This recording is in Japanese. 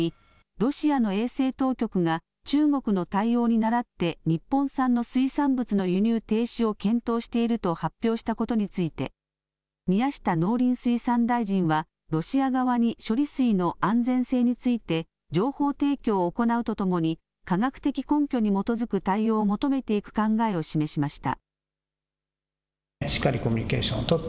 ロシアの衛生当局が中国の対応にならって日本産の水産物の輸入停止を検討していると発表したことについて宮下農林水産大臣はロシア側に処理水の安全性について情報提供を行うとともに科学的根拠に基づく対応を求めていく考えを示しました。